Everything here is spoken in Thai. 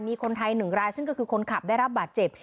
มีคนไทยหนึ่งรายซึ่งก็คือคนขับได้รับบาดเจ็บ